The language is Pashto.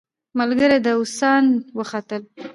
ملګري داووسان وختل.